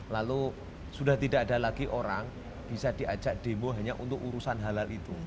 lalu sudah tidak ada lagi orang bisa diajak demo hanya untuk urusan halal itu